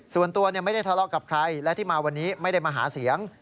ส่วนตัวไม่ได้ทะเลาะกับใครและที่มาวันนี้ไม่ได้มาหาเสียง